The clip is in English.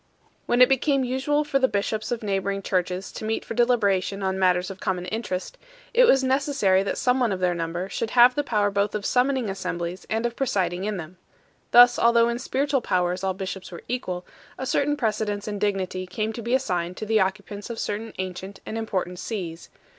When it became usual for the bishops of neighbouring churches to meet for deliberation on matters of common interest, it was necessary that some one of their number should have the power both of summoning assemblies and of presiding in them. Thus, although in spiritual powers all bishops were equal, a certain precedence in dignity came to be assigned to the occupants of certain ancient and important sees.